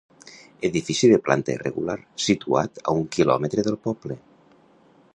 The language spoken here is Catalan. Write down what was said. Edifici de planta irregular, situat a un quilòmetre del poble.